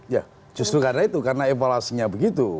ya justru karena itu karena evaluasinya begitu